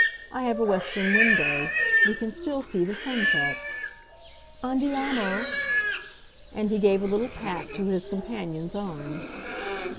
I have a western window; we can still see the sunset. Andiamo!" And he gave a little pat to his companion's arm.